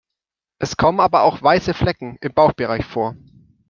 Es kommen aber auch weiße Flecken im Bauchbereich vor.